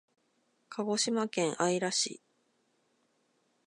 鹿児島県姶良市